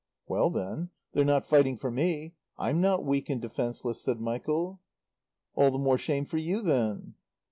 "Well, then, they're not fighting for me. I'm not weak and defenceless," said Michael. "All the more shame for you, then."